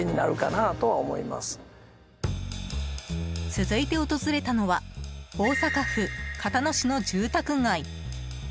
続いて訪れたのは大阪府交野市の住宅街。